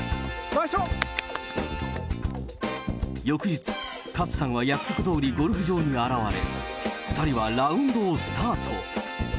翌日、勝さんは約束どおりゴルフ場に現れ、２人はラウンドをスタート。